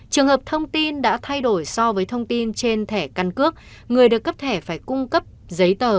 trường hợp thông tin đã thay đổi so với thông tin trên thẻ căn cước người được cấp thẻ phải cung cấp giấy tờ